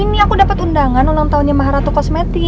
ini aku dapet undangan ulang tahunnya mbah ratu kosmetik